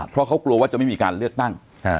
เพราะเขากลัวว่าจะไม่มีการเลือกตั้ง